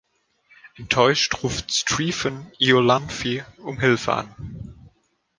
Enttäuscht ruft Strephon Iolanthe um Hilfe an.